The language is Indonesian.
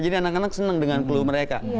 jadi anak anak seneng dengan clue mereka